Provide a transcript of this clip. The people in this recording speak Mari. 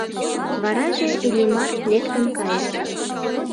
Вараже Иллимар лектын кайыш.